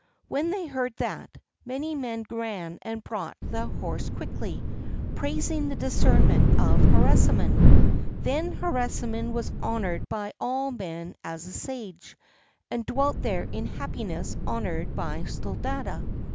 When they heard that, many men ran and brought the horse quickly, praising the discernment of Harisarman. Then Harisarman was honored by all men as a sage, and dwelt there in happiness, honored by Sthuladatta.